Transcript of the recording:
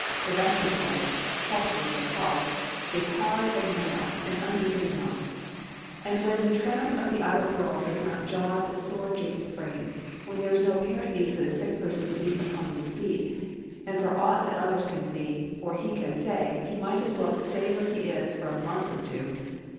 The resting place—falsely so called—is hard and narrow and uneven enough, even when the tramp of the outer world does not jar the sore and jaded frame; when there is no apparent need for the sick person to be upon his feet, and for aught that others can see, or he can say, he might just as well stay where he is for a month or two.